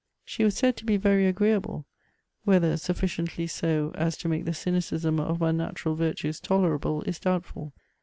She was said to he very agreeahle, — whether sufficiently so to make the cynicism of unnatural virtues tole rahle is douhtful.